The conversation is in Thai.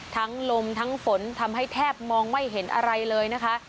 ลมทั้งฝนทำให้แทบมองไม่เห็นอะไรเลยนะคะ